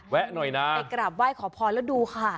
หน่อยนะไปกราบไหว้ขอพรแล้วดูค่ะ